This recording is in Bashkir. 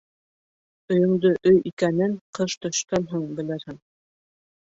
Өйөңдөң өй икәнен ҡыш төшкән һуң белерһең